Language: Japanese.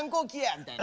みたいな。